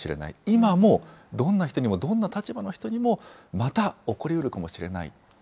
今も、どんな人にも、どんな立場の人にも、また、起こりうるかもしれない。